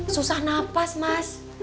susah nafas mas